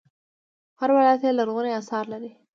هر ولایت یې لرغوني اثار لري